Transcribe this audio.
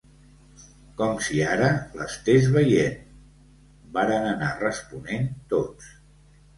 -Com si ara l'estés veient…- varen anar responent tots.